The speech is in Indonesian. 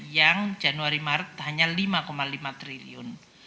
yang januari maret hanya lima lima triliun